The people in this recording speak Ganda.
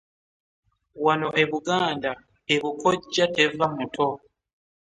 Wano mu Buganda ebukojja teva muto.